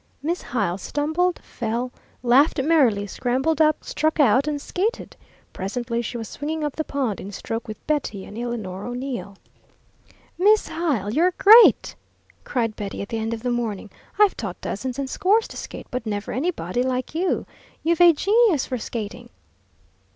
Miss Hyle stumbled, fell, laughed merrily, scrambled up, struck out, and skated. Presently she was swinging up the pond in stroke with Betty and Eleanor O'Neill. "Miss Hyle, you're great!" cried Betty, at the end of the morning. "I've taught dozens and scores to skate, but never anybody like you. You've a genius for skating."